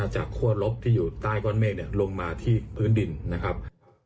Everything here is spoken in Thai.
คั่วลบที่อยู่ใต้ก้อนเมฆลงมาที่พื้นดินนะครับ